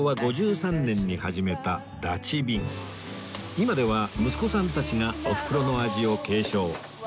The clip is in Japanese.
今では息子さんたちがおふくろの味を継承